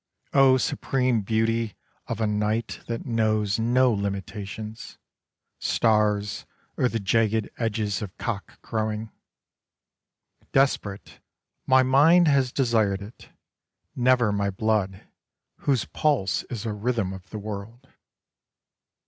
O supreme beauty of a night that knows no limitations — stars or the jagged edges of cock crowing. Desperate, my mind has desired it : never my blood, whose pulse is a rhythm of the world.